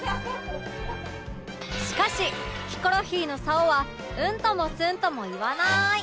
しかしヒコロヒーの竿はうんともすんとも言わない